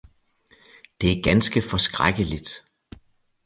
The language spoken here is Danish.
Det er ganske forskrækkeligt